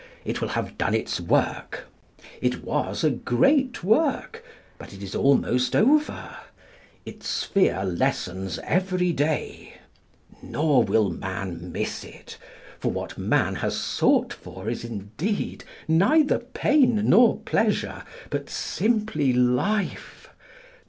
It will have done its work. It was a great work, but it is almost over. Its sphere lessens every day. Nor will man miss it. For what man has sought for is, indeed, neither pain nor pleasure, but simply Life.